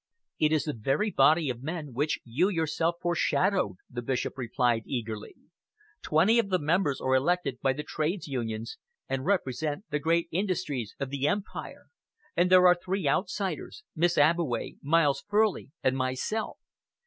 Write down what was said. "It is the very body of men which you yourself foreshadowed," the Bishop replied eagerly. "Twenty of the members are elected by the Trades Unions and represent the great industries of the Empire; and there are three outsiders Miss Abbeway, Miles Furley and myself.